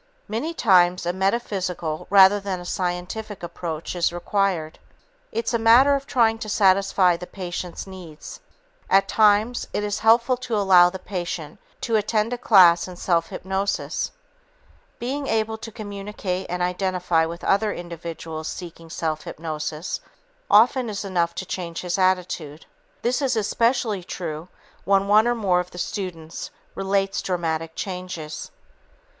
Many times, a metaphysical rather than a scientific approach is required. It's a matter of trying to satisfy the patient's needs. At times, it is helpful to allow the patient to attend a class in self hypnosis. Being able to communicate and identify with other individuals seeking self hypnosis often is enough to change his attitude. This is especially true when one or more of the students relates dramatic changes.